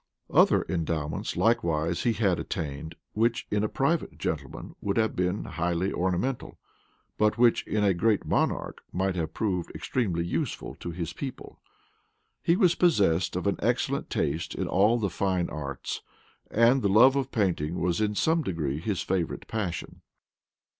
Other endowments likewise he had attained, which, in a private gentleman, would have been highly ornamental, and which, in a great monarch, might have proved extremely useful to his people. He was possessed of an excellent taste in all the fine arts; and the love of painting was in some degree his favorite passion.